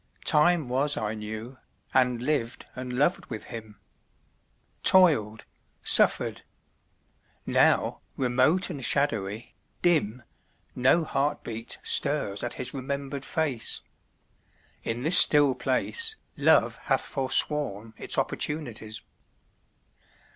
Time was I knew, and lived and loved with him; Toiled, suffered. Now, remote and shadowy, dim, No heartbeat stirs at his remembered face. In this still place Love hath forsworn its opportunities.